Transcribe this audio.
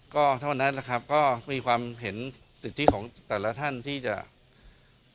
ก็เท่านั้นนะครับมีความเห็นสิทธิของแต่ละท่านที่จะพูดกันนะครับ